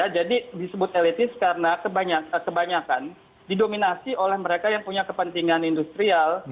jadi disebut elitis karena kebanyakan didominasi oleh mereka yang punya kepentingan industrial